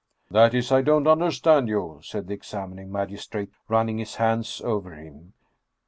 That is I don't understand you," said the examining magistrate, running his hands over him.